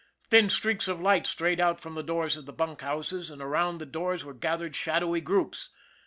Thin streaks of light strayed out from the doors of the bunk houses, and around the doors were gathered shadowy groups.